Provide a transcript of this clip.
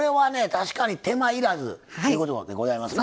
確かに手間いらずということでございますな。